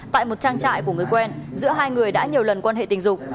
tại một trang trại của người quen giữa hai người đã nhiều lần quan hệ tình dục